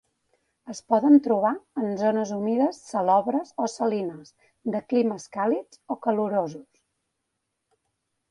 Es poden trobar en zones humides salobres o salines de climes càlids o calorosos.